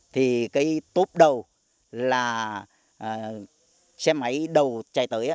thì cái tốp đầu là xe máy đầu chạy tới